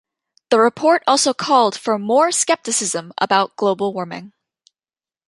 The report also called for more scepticism about global warming.